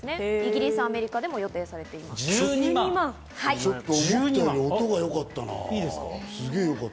イギリス、アメリカでも予定されていると。